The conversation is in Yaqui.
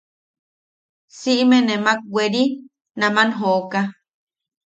Siʼime nemak weweri naman jooka.